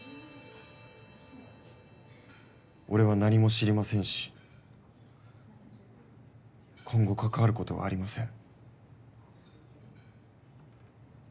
俺は何も知りませんし今後関わることはありません。